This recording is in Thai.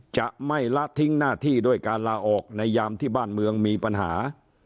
จะไม่ละทิ้งหน้าที่ด้วยการลาออกในยามที่บ้านเมืองมีปัญหา